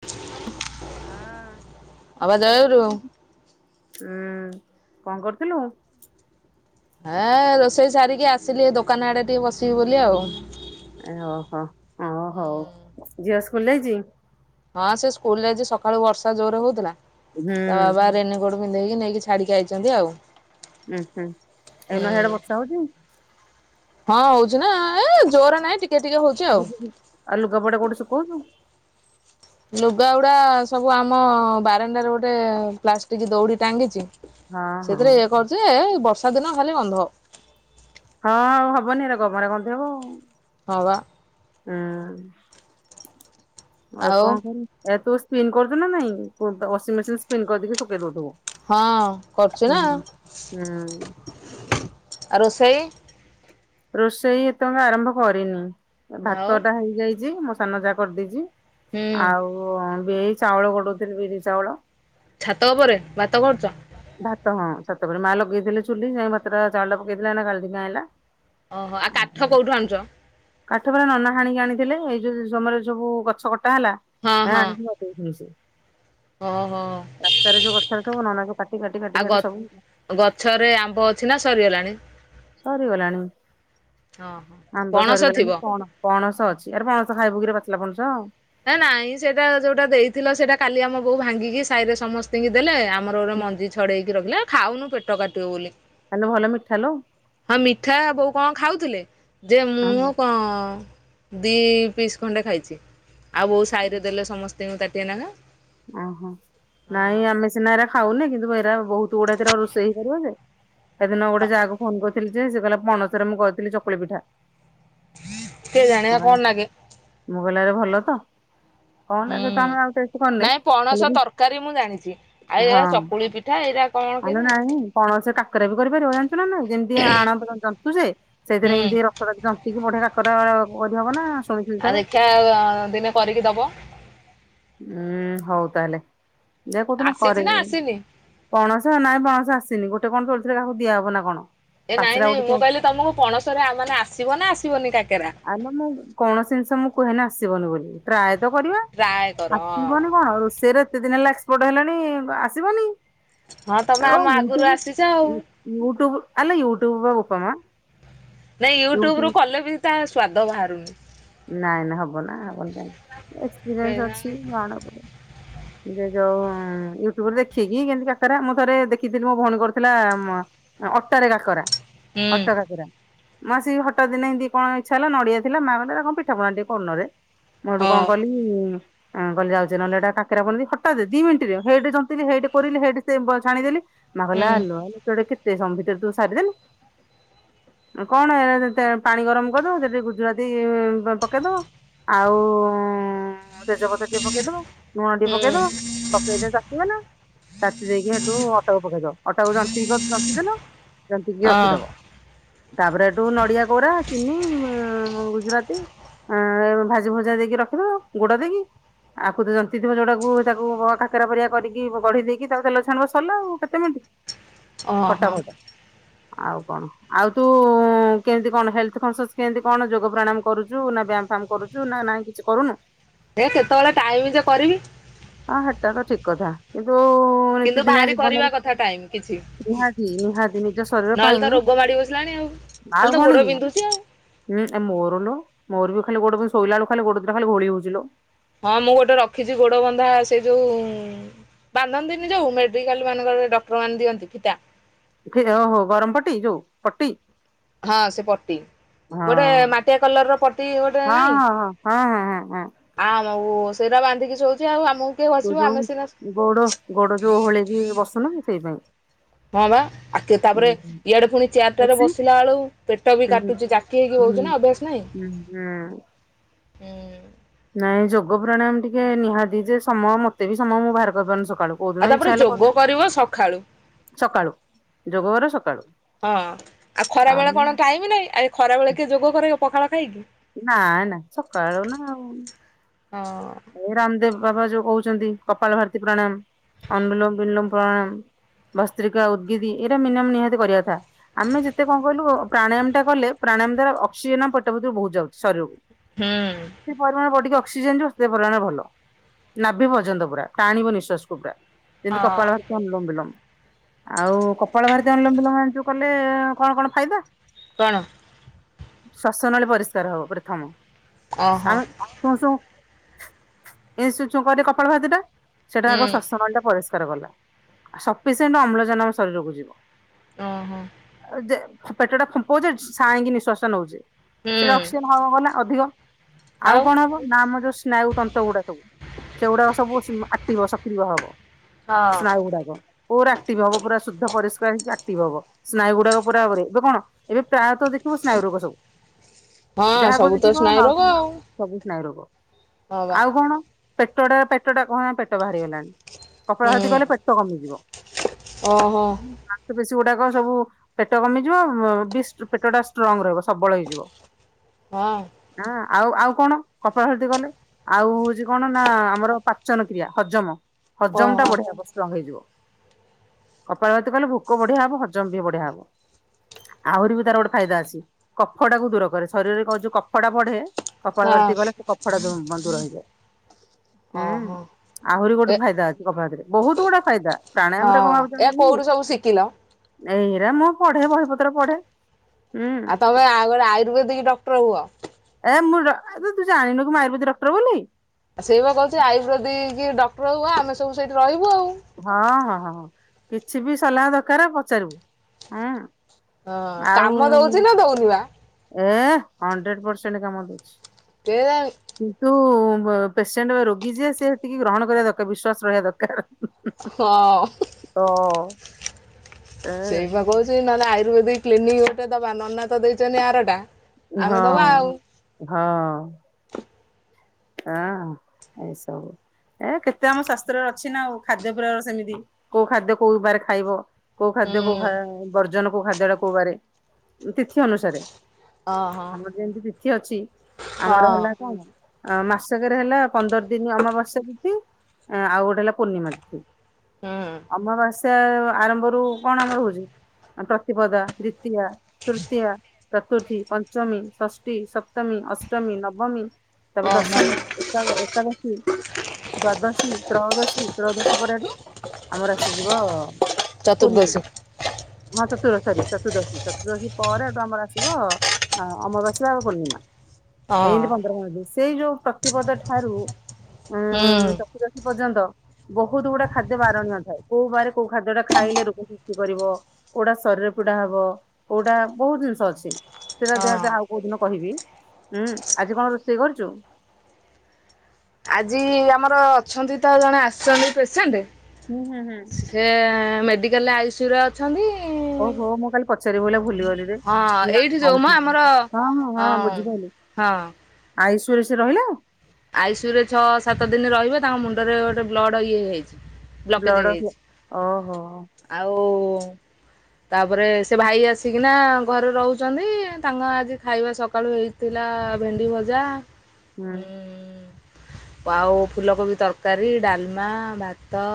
[inaudible] [unintelligible] ଅବା ଜୟଗୁରୁ ହୁଁ, କଣ କରିଥିଲୁ? ଏ ରୋଷେଇ ସାରିକି ଆସିଲି। ଦୋକାନ ଆଡେ ଟିକେ ବସିବି ବୋଲି ଆଉ। ଏ ହଁ ହଁ ହଁ ହୋଉ। ଝିଅ ସ୍କୁଲ୍ ଯାଇଛି? ହଁ, ସେ ସ୍କୁଲ୍ ଯାଇଛି। ସକାଳୁ ବର୍ଷା ଜୋରେ ହୋଉଥିଲା। ହୁଁ ତା ବାବା ରେନିକୋଡ଼ ପିନ୍ଧେଇକି, ନେଇକି ଛାଡିକି ଆଇଚନ୍ତି ଆଉ। ଉୁଁ ହୁଁ, ନୟାଗଡରେ ବର୍ଷା ହୋଉଛି? ହଁ, ହୋଉଛି ନା। ଏ ଜୋରେ ନାହିଁ।, ଟିକେ ଟିକେ ହୋଉଛି ଆଉ। ଆଉ ଲୁଗାପଟା କୋଉଠି ଶୁକୋଉଛୁ? ଲୁଗାଗୁଡ଼ା ସବୁ ଆମ ବାରଣ୍ଡାରେ ଗୋଟେ ପ୍ଲାଷ୍ଟିକ୍ ଦଉଡ଼ି ଟାଙ୍ଗିଚି। ହଁ ହଁ ସେଥିରେ ଇଏ କରୁଛି। ଏ ଏଇ ବର୍ଷା ଦିନ ଖାଲି ଗନ୍ଧ। ହଁ, ଆଉ ହବନି ହେରା। ଗମରା ଗନ୍ଧେଇବ ଆଉ। ହଁ ପା। ହୁଁ, ଆଉ କଣ କର? ଏ ତୁ ସ୍ପିନ୍ କରୁ କିଆଇ ନାଇଁ? ୱାସିଂ ମେସିନ ସ୍ପିନ୍ କରି ଶୁଖେଇ ଦଉଥିବୁ। ହଁ, କରୁଛି ନା? ହୁଁ। [inaudible] ହୁଁ ଆଉ ରୋଷେଇ? ରୋଷେଇ ଏପର୍ଯ୍ୟନ୍ତ ଆରମ୍ଭ କରିନି। ଆଉ ଭାତ ଟା ହେଇଯାଇଛି, ମୋ ସାନ ଯା କରିଦେଇଛି। ହୁଁ ଆଉ ବିରି ଚାଉଳ ଗଡଉଥିଲି, ବିରି ଚାଉଳ। ଛାତ ଉପରେ ଭାତ କରୁଛ? ଭାତ ହଁ, ଛାତ ଉପରେ। ମା ଲଗେଇଥିଲେ ଚୁଲି। ଯାଇକି ଭାତ ଟା ଚାଉଳ ପକେଇଦେଲା, ଏଇନା ଗାଳିକି ଆଣିଲା। ଓହୋ, ଆଉ କାଠ କଉଠୁ ଆଣିଛ? କାଠ ବା ନନା ହାଣିକି ଆଣିଥିଲେ। ଏଇ ଯୋଉ ସମୟରେ ସବୁ ଗଛ କଟା ହେଲା, ଏ ଆଣି [inaudible] ହଁ ହଁ। ରାସ୍ତାରେ ଯଉ ଗଛ ହେଇଥିବ, ନନା [unintelligible] ଆ କାଟି ଗ ସବୁ ଗଛରେ ଆମ୍ବ ଅଛି ନା ସରିଗଲାଣି? ସରି ଗଲାଣି ହଁ ହଁ ଆମ୍ବ, ପଣସ ଥିବ? ସରିଗଲାଣି ପଣ ପଣସ ଅଛି, ଆରେ ପଣସ ଖାଇବୁ କିରେ? ପାଚିଲା ପଣସ! ଏ ନାଇଁ, ସେଇଟା ଯୋଉଟା ଦେଇଥିଲ, ସେଇଟା କାଲି ଆମ ବୋଉ ଭାଙ୍ଗିକି ସାହିରେ ସମସ୍ତଙ୍କୁ ଦେଲେ। ଆମର ଗୋଡାଏ ମଞ୍ଜି ଛଡେଇକି ରଖିଲେ, ଖାଉନୁ? ପେଟ କାଟିବ ବୋଲି। ଆଲୋ ଭଲ ମିଠା ଲୋ। ହଁ, ମିଠା ବୋଉ କଣ ଖାଉଥିଲେ ଯେ ମୁଁ କଣ! ଦି ପିସ୍ ଖଣ୍ଡେ ଖାଇଛି, ଆଉ ବୋଉ ସାହିରେ ଦେଲେ ସମସ୍ତଙ୍କୁ ତାଟିଏ ନେଖାଁ। ଓହୋ ନାଇଁ, ଆମେ ସିନା ଏରା ଖାଉନି, କିନ୍ତୁ ଏରା ବହୁତ ଗୁଡାକ ରୋଷେଇ ହେଲା ଯେ ସେଦିନ, ଯା କୁ ଫୋନ୍ କରି ଥିଲିଯେ, ସେ କହିଲା -ପଣସରେ ମୁଁ କରିଥିଲି ଚକୁଳି ପିଠା। [inaudible] କେ ଜାଣି କଣ ଲାଗେ? ମୁଁ କହିଲା, ଏରେ ଭଲ ତ କଣ ଲାଗେ ତ? ହୁଁ ଆମେ ଆଉ ଟେଷ୍ଟ କରିନେ। ନାଇଁ ହେଲେ ପଣସ ବି ତରକାରୀ ମୁଁ ଜାଣିଛି, ଆଉ ଏ ଚକୁଳି ପିଠା ଏଇରା କଣ? ଆଲେ କେଜାଣି ନାଇଁ, ପଣସ କାକରା ବି କରିପାରିବ, ଜାଣିଛୁ ନା ନାହିଁ? ଯେମିତି ଆଣ ଆଣ ଜନ୍ତୁଚେ, ସେଇଥିରେ ହୁଁ ଏମତି ଜନ୍ତିିକି ବଢିଆ କାକରା କରି ହବ ନା? ଶୁଣିଥିଲି ଥରେ। [inaudible] ଦିନେ କରିକି ଦେବ। ଉୁଁ, ହଉ ତାହେଲେ, ଯେ କଉ ଦିନ ଆସିଛି ନା କରିବି। ଆସିନି ପଣସ ନାଇଁ, ପଣସ ଆସିନି। ଗୋଟେ କଣ ତୋଳିଥିଲେ, କାହାକୁ ଦିଆ ହବ ନା କଣ? ଏ ନାଇଁ ପାଚିଲା ଗୋଟେ ନାଇଁ, ତ ମୁଁ କହିଲି ତମକୁ ପଣସରେ ମାନେ ଆସିବ ନା ଆସିବନି କାକେରା? ଆଲୋ ମୁଁ କୌଣସି ଜିନିଷ ମୁଁ କହେନି ଆସିବନି ବୋଲି ଟ୍ରାଏ ତ କରିବା। ଟ୍ରାଏ କର ହଁ ଆସିବନି କଣ ରୋଷେଇରେ ଏତେ ଦିନ ହେଲା ଏକ୍ସପୋର୍ଟ ହେଲାଣି ଆସିବନି। ହଁ ତମେ ଆମ ଆଗରୁ ୟୁଟ୍ୟୁବ। ଆସିଛ ଆଉ ୟୁଟ୍ୟୁବ ଆଲୋ ୟୁଟ୍ୟୁବ ପା ବପା ମା। ସେ ୟୁଟ୍ୟୁବ ୟୁଟ୍ୟୁବରୁ କଲେ ବି ତା ସ୍ଵାଦ ବାହାରୁନି। ନାଇଁ ନାଇଁ ହବ ନା ହବନି କାହିଁକି ଏକ୍ସପିରିୟନସ ଅଛି। କେଜାଣି ଏ ଯୋଉ ୟୁଟ୍ୟୁବରେ ଦେଖିକି କେମିତି କାକାରା। ମୁଁ ଥରେ ଦେଖିଥିଲି ମୋ ଭଉଣୀ କରୁଥିଲା। ଅଟାରେ କାକରା। ହୁଁ ଅଟା କାକରା। ହଁ ସେ ହଟାତ ଦିନେ ଏମିତି କଣ ଇଚ୍ଛା ହେଲା ନଡିଆ ଥିଲା ମା କହିଲା। ପିଠାପଣା ଟିକେ କରୁନରେ। ମୁଁ ଏଠୁ ହଁ କଣ କଲି। ଆ ମୁଁ କହିଲି ଯାଉଛି ନହେଲେ କାକରା କରିଦେବି ହଟାତ ସେଇ ଦି ମିନିଟରେ ହେଇଠି ଜନ୍ତିଲି ହେଇଠି କୋରିଲି ସେଇଠି ଛାଣିଦେଲି। ମା ହୁଁ କହିଲା ଆଲୋ ତୁ କେତେ ସମୟ ଭିତରେତୁ ସାରିଦେଲୁ କଣ ହେରା ତୋତେ। ପାଣି ଗରମ କରିଦବ ସେଠି ଗୁଜୁରାତି ଗୁଣ୍ଡ ପକେଇଦବ ଆଉ। ତେଜପତ୍ର ଟିକେ ପକେଇଦବ ଲୁଣ ଟିକେ ହୁଁ ପକେଇଦବ ପକେଇଦେଇକି ଚାଖିବ ନା। ତାଖି ଦେଇକି ସେଠୁ ଅଟାକୁ ପକେଇଦବ। ଅଟାକୁ ଯନ୍ତିିକି ରଖିଦେଲୁ ଜନ୍ତିକି ହଁ ରଖିଦବ। ତାପରେ ହେଠୁ ନଡିଆ କୋରା ଚିନି ଗୁଜୁରାତି। ଆ ଭାଜି ଭୁଜା ଦେଇକି ରଖିଦବ ଗୁଡ ଦେଇକି। ଆକୁତ ଯନ୍ତିଥିବ ଯୋଉଟାକୁ ତାକୁ କାକେରା ପରିଆ କରିକି ଗଢି ଦେଇକି ତାକୁ ତେଲରେ ଛାଣିବ ସରିଲା ଆଉ କେତେ ମିନିଟ। ଓହୋ ଫଟାଫଟ। ଆଉ କଣ ଆଉ ତୁ କେମତି କଣ ହେଲଥ କନସସ୍ କେମତି କଣ ଯୋଗ ପ୍ରାଣାୟାମ କରୁଛୁ। ଚୁ ନା ବ୍ୟାୟାମ ଫ୍ୟାମ କରୁଛୁ ନା ନାଇଁ କିଛି କରୁନୁ। ଏ କେତେବେଳେ ଟାଇମଯେ କରିବି। ହଁ ସେଟା ତ ଠିକ କଥା କିନ୍ତୁ। କିନ୍ତୁ ନିତିଦିନିଆ ବାହାରି କରିବା ଜୀବନରେ କଥା ଟାଇମ କିଛି। ନିହାତି ନିହାତି ନିଜ ଶରୀର ପାଇଁ ନହେଲେ ତ ରୋଗ ମାଡି ବସିଲାଣି ଆଉ ଆଉ ଖାଲି ତ କଣ ଗୋଡ କି ପିନ୍ଧୁଛି ଆଉ। ହୁଁ ମୋର ଲୋ ମୋର ବି ଖାଲି ଗୋଡ଼ ବିନ୍ଧୁଚ଼ି ଶୋଇଲା ବେଳକୁ ଖାଲି ଗୋଡ଼ ଦିଟା ଖାଲି ଘୋଳି ହେଉଛି ଲୋ। ହଁ ମୁଁ ଗୋଟେ ରଖିଛି ଗୋଡବନ୍ଧା ସେ ଯୋଉ। ବାନ୍ଧନ୍ତିନି ଯୋଉ ମେଡିକାଲ ମାନଙ୍କରେ ଡକ୍ଟର ମାନେ ଦିଅନ୍ତି ଫିତା। ଓହୋ ଗରମ ପଟି ଯୋଉ ପଟି। ହଁ ସେ ପଟି। ହଁ ଗୋଟେ ମାଟିଆ କଲରର ପଟି ଗୋଟେ ହଁ ନାଇଁ। ହଁ ହଁ ହଁ ହଁ ହଁ ହଁ ଆମକୁ ସେରା ବାନ୍ଧିକି ଶୋଉଛି ଆଉ ଆମକୁ। କିଏ ତୋ ଘସିବ ଆମେ ସିନା ଯୋଉ ଗୋଡ। ଗୋଡ ଯୋଉ ଓହଳେଇକି ବସୁନି ସେଇ ପାଇଁ। ହଁ ବା ଆ କେ ତାପରେ। ଇଆଡେ ପୁଣି ଚେୟାର ଟାରେ ଏସି ହୁଁ ଅଛି। ବସିଲା ବେଳୁ ପେଟଵି ହୁଁ କାଟୁଛି ଜାକି ହେଇକି ହୁଁ ବଉଚୁ ନା ଅଭ୍ୟାସ ନାହିଁ। ହୁଁ ହୁଁ। ହୁଁ। ନାଇଁ ଯୋଗ ପ୍ରାଣାୟାମ ଟିକେ ନିହାତି ଯେ ସମୟ ମତେ ବି ସମୟ ମୁଁ ବାହାର କରିିପାରୁନି ସକାଳୁ। କୋଉ ଦିନ ଆଉ ତାପରେ ଇଚ୍ଛା ହେଲେ ଯୋଗ କରିବି କରିବ ସକାଳୁ। ସକାଳୁ ଯୋଗ କରେ ସକାଳୁ ହଁ ଆଉ ଖରା ବେଳେ କଣ ଟାଇମ ନାହିଁ ଆ। ଖରା ବେଳେ କିଏ ଯୋଗ କରିବ ପଖାଳ ଖାଇକି। ନା ନା ସକାଳୁ ନା ଆଉ। ହଁ। ଏ ରାମଦେବ ବାବା ଯୋଉ କହୁଛନ୍ତି କପାଳ ଭାରତୀ ପ୍ରାଣାୟାମ, ଅନୁଲୋମ ଵିଲୋମ ପ୍ରାଣାୟାମ। ବସ୍ତ୍ରିକା, ଉଦ୍ଗିଗିରି ଏଇଟା ମିନିମମ ନିହାତି କରିବା କଥା। ଆମେ ଯେତେ କଣ କହିଲୁ ପ୍ରାଣାୟାମ ଟା କଲେ ପ୍ରାଣାୟାମ ଦ୍ଵାରା ଅକ୍ସିଜେନ ପେଟ ଭିତରକୁ ବହୁତ ଯାଉଛି ଶରୀରକୁ। ହୁଁ କିଛି ପରିମାଣ ବଡିକୁ ଅକ୍ସିଜେନ୍ ଯାଉ ପରିମାଣରେ ଭଲ ନାଭି ପର୍ୟ୍ୟନ୍ତ ପୁରା ଟାଣିବ ନିଶ୍ୱାସକୁ ପୁରା ଯେମିତି ହଁ। କପାଳ ଅନୁଲମ୍ବ ବିଲମ୍ବ ଆଉ କପାଳଭାରତୀ ଅନୁଲମ୍ବ ବିଲମ୍ବ ଜାଣିଥିବା କଲେ କଣ କଣ ଫାଇଦା କଣ? ଶ୍ଵାସନଳୀ ପରିଷ୍କାର ହବ ପ୍ରଥମ ଓହୋ ଆମ ଶୁ ଶୂ [inaudible] ଇ କରି କପାଳ ବହାରେ ଦି ଟା ସେଟା ଆଗ ହୁଁ ଶ୍ଵାସନଳୀ ଟା ପଳେଇ ଆସେ [unintelligible] ସଫିସିଏଣ୍ଟ ଅମ୍ଳଜାନ ଆମ ଶରୀରକୁ ଯିବ ଓହୋ ଯେ ପେଟ ଟା ଫୁମ୍ପଉଛେ ସାଇଙ୍କି ନିଶ୍ୱାସଟା ନଉଛେ ହୁଁ ସେଟା ଅକ୍ସିଜେନ ହ ଗଲା ଅଧିକ ଆଉ କଣ ହବ ନା ଆମ ଯୋଉ ଯେଉ ତନ୍ତ ଗୁଡ଼ା ସବୁ ସେଇ ଗୁଡ଼ା ସବୁ ଆକ୍ଟିଭ ହେବ ସକ୍ରିୟ ହେବ ହଁ। ସ୍ନାୟୁ ଗୁଡାକ ପୁରା ଆକ୍ଟିଭ ହବ ପୁରା ଶୁଦ୍ଧ ପରିଷ୍କାର ହେଇକି ଆକ୍ଟିଭ ହବ ସ୍ନାୟୁ ଗୁଡାକ ପୁରାପୁରି ଏବେ କଣ ଏବେ ପ୍ରାୟତଃ ଦେଖିବ ସ୍ନାୟୁ ରୋଗ ସବୁ ହଁ ଯାହାକୁ ସବୁ ତ ଦେଖିବ ସ୍ନାୟୁ ରୋଗ ଆଉ ସବୁ ସ୍ନାୟୁ ରୋଗ ହଁ ବା ଆଉ କଣ ପେଟଟା ପେଟ ଟା କଣ ପେଟ ବାହାରି ଗଲାଣି। କପଡ଼ା ଖତି ହୁଁ କଲେ ପେଟ କମି ଯିବ ଓହୋ ମାଂସପେଶୀ ଗୁଡାକ ସବୁ ପେଟ କମିଯିବ ବି ପେଟ ଟା ଷ୍ଟ୍ରଙ୍ଗ ରହିବ ସବଳ ହେଇଯିବ। ହଁ ହଁ ଆଉ ଆଉ କଣ କପଡ଼ା ସେଦ କ। ଆଉ ହଉଛି କଣ ନା ଆମର ପାଚନ କ୍ରିୟା ହଜମ ହଜମ ଟା ଓହୋ ବଢିଆ ହବ ଷ୍ଟ୍ରଙ୍ଗ ହେଇଯିବ। କପାଳପତି କଲେ ଭୋକ ବଢିଆ ହବ ହଜମ ବି ବଢିଆ ହବ। ଆହୁରି ବି ତାର ଗୋଟେ ଫାଇଦା ଅଛି କଫ ଟାକୁ ଦୂର କରେ ଶରୀରରେ କ ଯୋଉ କଫଟା ବଢେ। କପଳ ବର୍ତ୍ତି ହଁ ଗଲେ ସେ କଫ ଟା ଦୂର ହେଇଯାଏ। ହୁଁ ଓହୋ ଆହୁରି ଏ ଗୋଟେ ଫାଇଦା ଅଛି କପାତରେ ବହୁତ ଗୁଡା ଫାଇଦା ପ୍ରାଣୟାମରେ କଣ ହଁ ଏ ଭାବୁଛନ୍ତି କି କୋଉଠୁ ସବୁ ଶିଖିଲ? ଏଇରା ମୁଁ ପଢେ ବହିପତ୍ର ପଢେ ହୁଁ। ଆଉ ତମେ ଆଉ ଗୋଟେ ଆୟୁର୍ବେଦିକ ଡକ୍ଟର ହୁଅ। ଏ ମୁଁ ତୁ ଜାଣିନୁ କି ମୁଁ ଆୟୁର୍ବେଦ ଡକ୍ଟର ବୋଲି। ସେଇ ବା କହୁଛି ଆୟୁବେଦିକ କି ଡକ୍ଟର ହଉ ଆମେ ସବୁ ସେଇଠି ରହିବୁ ଆଉ। ହଁ ହଁ ହଁ କିଛି ବି ସଲାହ ଦରକାର ପଚାରିବୁ ହୁଁ ହଁ ଆଉ କାମ ଦଉଛି ନା ଦଉନି ବା? ଏ ହଣ୍ଡ୍ରେଡ ପରସେଣ୍ଟ କାମ ଦଉଛି। କେଜାଣି। କିନ୍ତୁ ପେସେଣ୍ଟ ରୋଗୀ ଯିଏ ସେ ଟିକେ ଗ୍ରହଣ କରିବା ଦରକାର ବିଶ୍ଵାସ ରହିବା ଦରକାର ହଁ ହ ସେଇ ପା କହୁଛି ନହେଲେ ଆୟୁର୍ବେଦିକ କ୍ଲିନିକ ଗୋଟେ ଦବା ନନା ତ ଦେଇଛନ୍ତି ଆରଟା ଆମେ ଦବା ହଁ ଆଉ ହଁ ହଁ ଏଇସବୁ ଏ କେତେ ଆମ ଶ୍ୱାସ୍ତ୍ରରେ ଅଛି ନା ଆଉ ଖାଦ୍ୟ ପ୍ରେୟର ସେମିତି କୋଉ ଖାଦ୍ୟ କୋଉ ବାରେ ଖାଇବ କୋଉ ଖାଦ୍ୟ କୋଉ ହୁଁ ବର୍ଜନ କୋଉ ଖାଦ୍ୟ ଟା କୋଉ ବାରେ ତିଥି ଅନୁସାରେ ଓହୋ ଆମର ଯେମିତି ତିଥି ଅଛି ହଁ ଆମର ହେଲା କଣ? ଅ ମାସକରେ ହେଲା ପନ୍ଦର ଦିନ ଅମାବାସ୍ୟ ତିଥି ଆଉ ଗୋଟେ ହେଲା ପୂର୍ଣ୍ଣିମା ତିଥି ହୁଁ। ଅମାବାସ୍ୟା ଆରମ୍ଭରୁ କଣ ଆମର ହଉଛି? ପ୍ରତିପଦା ଦ୍ୱିତୀୟା ତୃତୀୟା ଚତୁର୍ଥୀ ପଞ୍ଚମୀ ଷଷ୍ଠୀ ସପ୍ତମୀ ଅଷ୍ଟମୀ ନବମୀ ତାପରେ ଓହୋ ଦଶମି ଏକା ଏକା ଦଶୀ ଦ୍ଵାଦଶୀ ତ୍ରୟୋଦଶୀ ତ୍ରୟଦଶୀ ପରେ ଏଠୁ ଆମର ଆସିଯିବ ପୂର୍ଣ୍ଣେଇ ଚତୁର୍ଦ୍ଦଶୀ ମହାତ ତୁଳ ଚାରି ଚତୁର୍ଦଶି ଚତୁର୍ଦଶି ପରେ ଏଟି ଆମର ଆସିବ ଆ ଅମାବାସିଆ ଆଉ ପୂର୍ଣ୍ଣିମା। ହଁ ଏମତି ପନ୍ଦର ଦିନ ଆସିବ ସେଇ ଯୋଉ ପ୍ରତିପଦ ଠାରୁ ଉଁ ହୁଁ ଚତ ଦଶି ପର୍ଯ୍ୟନ୍ତ ବହୁତ୍ ଗୁଡା ଖାଦ୍ୟ ବାରଣ ନ ଥାଏ କୋଉ ବାରେ କୋଉ ଖାଦ୍ୟ ଟା ଖାଇଲେ ରୋଗ ସୃଷ୍ଟି କରିବ। କୋଉଟା ଶରୀର ପୀଡା ହବ କୋଉଟା ବହୁତ ଜିନିଷ ଅଛି। ସେଇଟା ଦେହ ହଁ। ଟା ଆଉ କୋଉ ଦିନ କହିବି ଉୁଁ ଆଜି କଣ ରୋଷେଇ କରୁଛୁ। ଆଜି ଆମର ଅଛନ୍ତି ତ ଜଣେ ଆସିଛନ୍ତି ପେସେଣ୍ଟ ହୁଁ ହୁଁ ହୁଁ। ସେ ମେଡ଼ିକାଲରେ ଆଇସିୟୁରେ ଅଛନ୍ତି। ଓ ହୋ ମୁଁ କାଲି ପଚାରିବି ବୋଲି ଭୁଲିଗଲି। ହଁ ଏଇଠି ଯୋଉ ମ ଆମର ହଁ ହଁ ହଁ ବୁଝିପାଇଲି। ହଁ। ଆଇସୁ ରେ ସେ ରହିଲା। ଆଇସୁ ରେ ଛଅ ସାତ ଦିନ ରହିବ ତାଙ୍କ ମୁଣ୍ଡରେ ଗୋଟେ ବ୍ଲଡ଼ ଇଏ ହେଇଛି। ବ୍ଲକେଜ ବ୍ଲଡ ଓହୋ ହେଇଛି ଆଉ ତାପରେ ସେ ଭାଇ ଆସିକିନା ଘରେ ରହୁଛନ୍ତି ତାଙ୍କ ଆଜି ଖାଇବା ସକାଳୁ ହେଇ ଥିଲା ଭେଣ୍ଡି ଭଜା। ହୁଁ ଆଉ ଫୁଲକୋବି ତରକାରୀ ଡାଲମା ଭାତ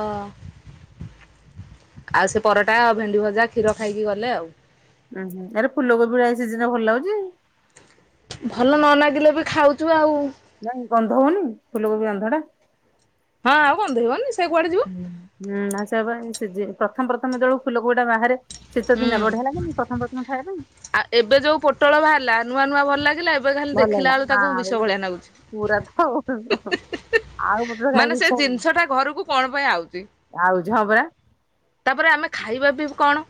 ଆଉ ସେ ପରଟା ଆଉ ଭେଣ୍ଡି ଭଜା କ୍ଷୀର ଖାଇକି ଗଲେ ଆଉ। ଉଁ ହୁଁ ଆରେ ଫୁଲ କୋବି ରା ଏ ସିଜିନରେ ଭଲ ଲାଗୁଛି। ଭଲ ନ ଲାଗିଲେ ବି ଖାଉଛୁ ଆଉ। ନାଇଁ ଗନ୍ଧ ହଉନି ଫୁଲ କୋବି ଗନ୍ଧଟା। ହଁ ଆଉ ଗନ୍ଦେଇବନି ସେ କୁଆଡେ ଯି ହୁଁ ଆଉ ସେ ପରେ ସିଜିନ୍ ପ୍ରଥମେ ପ୍ରଥମେ ଯୋଉ ଫୁଲ କୋବିଟା ବାହାରେ ଶୀତ ହୁଁ ଦିନିଆ ବଢିଆ ଲାଗେନି ପ୍ରଥମ ପ୍ରଥମ ଖାଇବା ପାଇଁ। ଆଉ ଏବେ ଯୋଉ ପୋଟଳ ବାହାରିଲା ନୂଆ ନୂଆ ଭଲ ଲାଗିଲା ଏବେ ଖାଲି ଭଲ ହେଲା। ଦେଖିଲା ବେଳୁ ତାକୁ ଆଉ ବିଷ ଭଳିଆ ନାଗୁଛି। ପୁରା ତ ଆଉ ଗୋଟ ମାନେ ସେ ଜିନିଷ ଟା ଘରକୁ କଣ ପାଇଁ ଆଉଚି। ଆଉ ହଁ ପରା ତାପରେ ଆମେ ଖାଇବା ବି କଣ।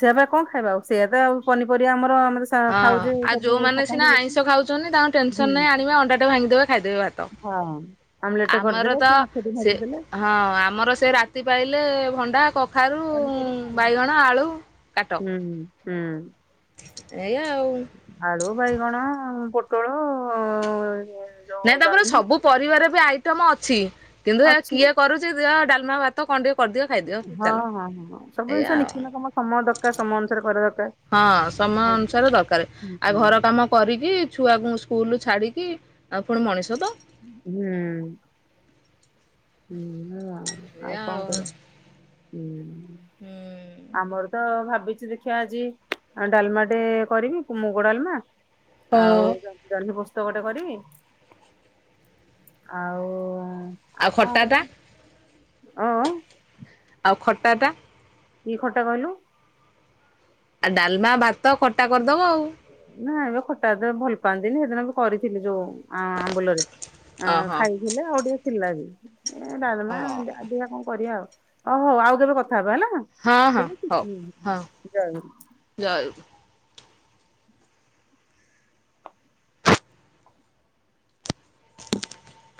ସେଆପା କଣ ଖାଇବା ଆଉ ସେଆ ତ ଆଉ ପନିପରିବା ଆମର ଆମର ସେ ତ ହଁ ଖାଉଚି ଆଉ ସବୁ ଯୋଉମାନେ ସକା ସିନା ହ [inaudible] ଆଇଁଷ ଖାଉଛନ୍ତି ତାଙ୍କ ଟେନସନ ନାହିଁ ଆଣିବେ ଅଣ୍ଡାଟେ ଭାଙ୍ଗିଦେବେ ଖାଇଦେବେ ଭାତ। ହଁ ଆମଲେଟ୍ ଆମର କରିଦେଲେ ତ କି ମାଛ ଟେ ସେ ଭାଜିଦେଲେ। ହଁ ଆମର ସେ ରାତି ପାଇଲେ ଭଣ୍ଡା କ ଖାରୁ ପନିପରିବା ଆଉ। ବାଇଗଣ ଆଳୁ କାଟ। ହୁଁ ହୁଁ। ସେଆ ଆଉ। ଆଳୁ ବାଇଗଣ ପୋଟଳ ନାଇଁ ଯୋଉ ତାପରେ ଜହ୍ନି ସବୁ ପରିବାର ବି ଆଇଟମ ଅଛି କିନ୍ତୁ ହେ ଅଛି। କିଏ କରୁ ଚି କିଏ ଡଲମା ଭାତ କଣ ଟିକେ କରିିଦିଅ ଖାଇଦିଅ। ହଁ ଚାଲ ହଁ ହଁ ହଁ ସବୁ ଏଇଆ ଜିନିଷ ଆଉ। ନିଖୁନ କମ ସମୟ ଦରକାର ସମୟ ଅନୁସାରେ କରିବା ଦରକାର। ହଁ ସମୟ ଆଜ୍ଞା। ଅନୁସାରେ ଦରକାର ଆଉ ହୁଁ ଘର କାମ କରିବି ଛୁଆକୁ ସ୍କୁଲ ଛାଡ଼ିକି ଆ ପୁଣି ମଣିଷ ତ? ହୁଁ। ହୁଁ ଆଉ ଆଉ କଣ କରିବା ହୁଁ। ହୁଁ। ଆମର ତ ଭାବିଛି ଦେଖିବା ଆଜି ଡାଲମା ଟେ କରିବି ମୁଗ ଡାଲମା। ଆଉ ଜହ୍ନି ପୋସ୍ତକ ଗୋଟେ କରିବି। ଆଉ ଆଉ କଣ ଖଟା ଟା କରିନି ଓ ଓ? ଆଉ ଖଟାଟା? କି ଖଟା କହିଲୁ? ଆଉ ଡାଲମା ଭାତ ଖଟା କରିଦବ ଆଉ। ନା ଏବେ ଖଟା ଏତେ ଭଲ ପାଆନ୍ତିନି ସେଦିନ ବି କରିଥିଲି ଯୋଉ ଅ ଆମ୍ବୁଲରେ ଆ ଓହୋ ଖାଇଥିଲେ ଆଉ ଟିକେ ଥିଲା ବି। ଏ ଡାଲମା ହଁ ଆ ଦେ ଆ କଣ କରିବା ଆଉ ଓ ହଉ ଆଉ କେବେ କଥା ହବା ହେଲା। ହଁ ହଉ ହଁ [unintelligible] ଜୟ ଗୁ [inaudible]